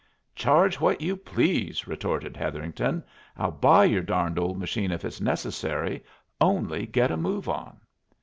"Charge what you please," retorted Hetherington. "I'll buy your darned old machine if it's necessary, only get a move on."